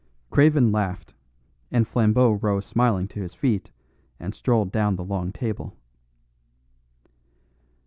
Craven laughed, and Flambeau rose smiling to his feet and strolled down the long table.